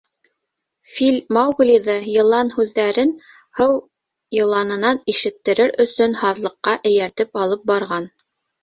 Фил Мауглиҙы Йылан һүҙҙәрен һыу йыланынан ишеттерер өсөн һаҙлыҡҡа эйәртеп алып барған.